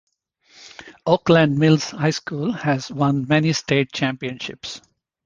Oakland Mills High School has won many state championships.